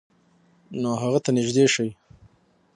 نو هغه ته نږدې شئ،